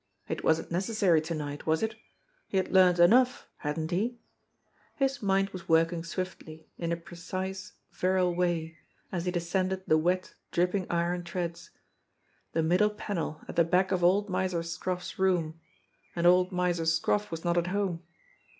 It wasn't necessary to night, was it? He had learned enough, hadn't he ? His mind was working swiftly, in a precise, virile way, as he descended the wet, dripping iron treads. The middle panel at the back of old Miser Scroff's room and old Miser Scroff was not at home.